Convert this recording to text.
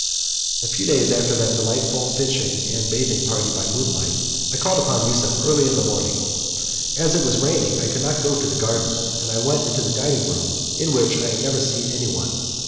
A few days after that delightful fishing and bathing party by moonlight, I called upon Yusuf early in the morning; as it was raining, I could not go to the garden, and I went into the dining room, in which I had never seen anyone.